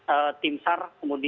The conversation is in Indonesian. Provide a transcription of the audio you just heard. ini tim sar